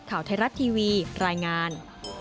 ข่าวไทยรัฐทีวีรายงาน